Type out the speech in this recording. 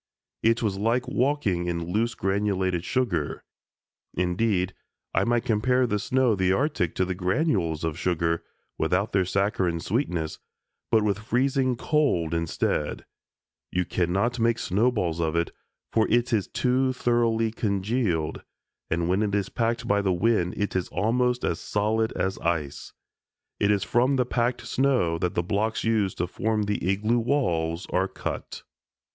It was like walking in loose granulated sugar. Indeed I might compare the snow of the Arctic to the granules of sugar, without their saccharine sweetness, but with freezing cold instead; you cannot make snowballs of it, for it is too thoroughly congealed, and when it is packed by the wind it is almost as solid as ice. It is from the packed snow that the blocks used to form the igloo walls are cut.